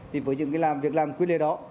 với những việc làm quyết liệt đó